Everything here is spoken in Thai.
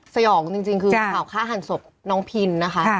สยองจริงคือข่าวฆ่าหันศพน้องพินนะคะ